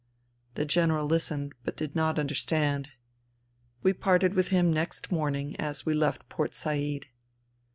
The General listened, but did not understand. We parted with him next morning, as we left Port Said.